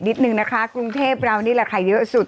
เดี๋ยวก็ต้องมีการไปจับผ้า